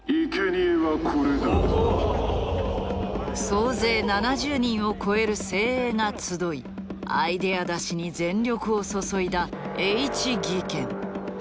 総勢７０人を超える精鋭が集いアイデア出しに全力を注いだＨ技研。